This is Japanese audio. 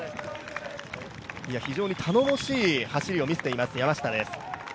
非常に頼もしい走りを見せています山下です。